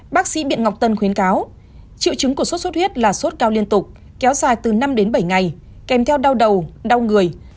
bác sĩ biện ngọc tân khuyến cáo triệu chứng của sốt xuất huyết là sốt cao liên tục kéo dài từ năm đến bảy ngày kèm theo đau đầu đau người